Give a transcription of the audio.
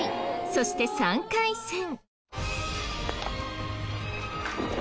そして３回戦。